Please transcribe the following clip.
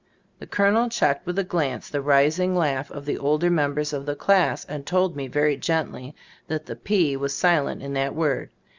The colonel checked with a glance the rising laugh of the older members of the class, and told me, very gently, that the P was silent in that word.